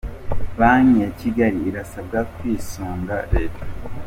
Banki ya Kigali irasabwa kwisunga Leta